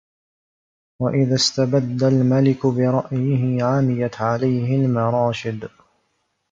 وَإِذَا اسْتَبَدَّ الْمَلِكُ بِرَأْيِهِ عَمِيَتْ عَلَيْهِ الْمَرَاشِدُ